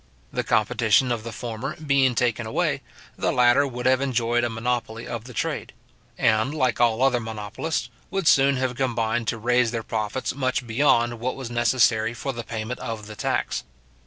The competition of the former being taken away, the latter would have enjoyed a monopoly of the trade; and, like all other monopolists, would soon have combined to raise their profits much beyond what was necessary for the payment of the tax.